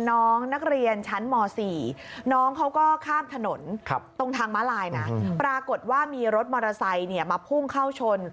น้องนักเรียนชั้นม๔น้องเขาก็ข้ามถนนตรงทางม้าลายนะปรากฏว่ามีรถมอเตอร์ไซค์มาพุ่งเข้าชน